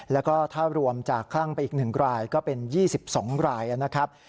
แล้วก็ถ้ารวมจากคลั่งไปอีก๑รายก็เป็น๒๒รายนะครับ